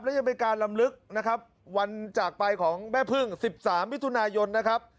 และยังเป็นการลำลึกนะครับวันจากไปของแม่พึ่ง๑๓มิถุนายนนะครับ